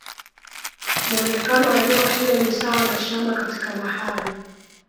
Muonekano wa eneo hilo ni sawa na shamba katika bahari